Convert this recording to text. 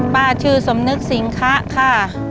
ป้าชื่อสมนึกสิงคะค่ะ